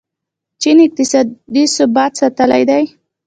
چین اقتصادي ثبات ساتلی دی.